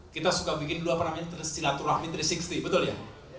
kita suka bikin dulu apa namanya silaturahmi tiga ratus enam puluh betul ya